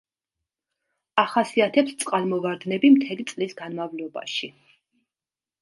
ახასიათებს წყალმოვარდნები მთელი წლის განმავლობაში.